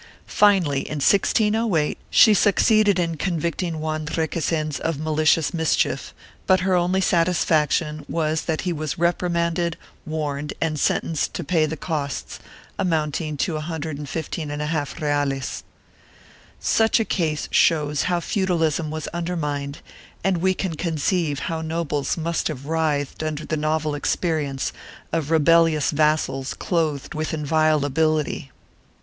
Finally, in 1608, she succeeded in convicting Juan Requesens of malicious mischief, but her only satisfaction was that he was reprimanded, warned and sentenced to pay the costs, amounting to 115J reales.1 Such a case shows how feudalism was undermined and we can conceive how nobles must have writhed under the novel experience of rebellious vassals clothed with inviolability.